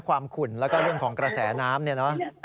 ขุ่นแล้วก็เรื่องของกระแสน้ำเนี่ยเนอะ